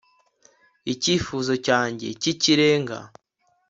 Icyifuzo cyanjye cyikirenga